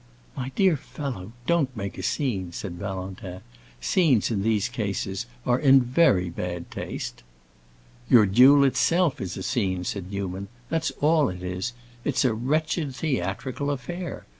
"My dear fellow, don't make a scene," said Valentin. "Scenes in these cases are in very bad taste." "Your duel itself is a scene," said Newman; "that's all it is! It's a wretched theatrical affair.